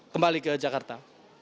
kembali ke jakarta